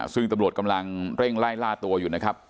ซึ่งตำรวจกำลังเร่งไล่ล่าตัวอยู่นะครับ